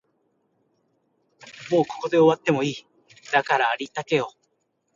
もうここで終わってもいい、だからありったけを